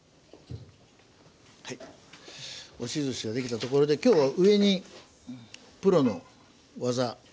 押しずしができたところで今日は上にプロの技。